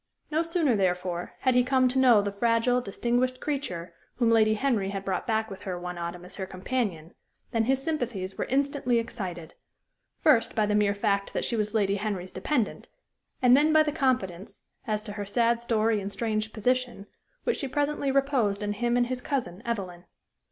No sooner, therefore, had he come to know the fragile, distinguished creature whom Lady Henry had brought back with her one autumn as her companion than his sympathies were instantly excited, first by the mere fact that she was Lady Henry's dependant, and then by the confidence, as to her sad story and strange position, which she presently reposed in him and his cousin Evelyn.